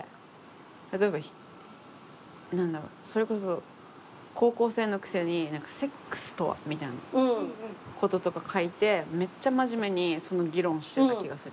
例えば何だろうそれこそ高校生のくせに「セックスとは」みたいなこととか書いてめっちゃ真面目にその議論をしてた気がする。